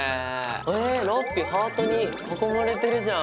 えっラッピィハートに囲まれてるじゃん。